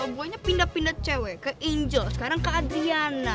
pokoknya pindah pindah cewek ke angel sekarang ke adriana